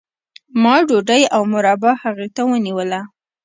ما ډوډۍ او مربا هغې ته ونیوله